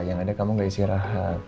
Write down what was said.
yang ada kamu gak istirahat